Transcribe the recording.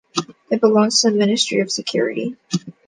It belongs to the Ministry of Security.